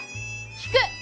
聞く！